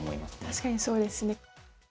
確かにそうですね。